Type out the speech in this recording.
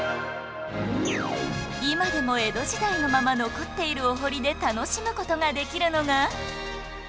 今でも江戸時代のまま残っているお堀で楽しむ事ができるのが